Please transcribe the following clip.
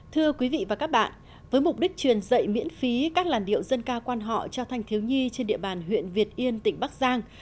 thưa quý vị và các bạn với mục đích truyền dạy miễn phí các làn điệu dân ca quan họ cho thanh thiếu nhi trên địa bàn huyện việt yên tỉnh bắc giang